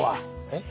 えっ？